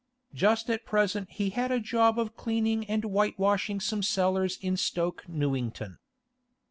Just at present he had a job of cleaning and whitewashing some cellars in Stoke Newington.